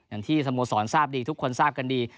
อย่างที่สโมสรทราบดีทุกคนทราบกันดี